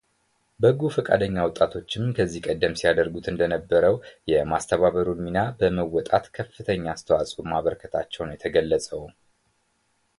በጎ ፈቃደኛ ወጣቶችም ከዚህ ቀደም ሲያደርጉት እንደነበረው የማስተባበሩን ሚና በመወጣት ከፍተኛ አስተዋፅኦ ማበርከቻቸው ነው የተገለፀው፡፡